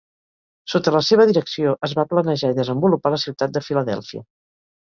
Sota la seva direcció es va planejar i desenvolupar la ciutat de Filadèlfia.